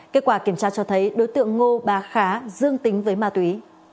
kết quả kiểm tra cho thấy đối tượng ngô ba khá dương tính với ma túy